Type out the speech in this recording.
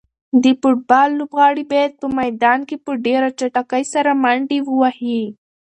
د فوټبال لوبغاړي باید په میدان کې په ډېره چټکۍ سره منډې ووهي.